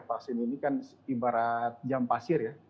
vaksin ini kan ibarat jam pasir ya